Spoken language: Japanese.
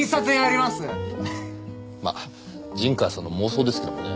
まあ陣川さんの妄想ですけどもね。